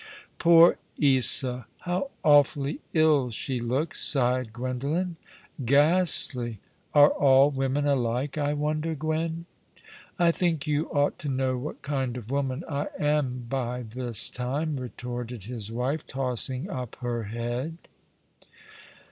"Poor Isa ! how awfully ill she looks," sighed Gwendolen. o 194 ^^^ cdong the River, " Ghastly. Are all women alike, I wonder, Gwen? "" I think you ought to know what kind of woman I am by this time," retorted his wife, tossing up her head.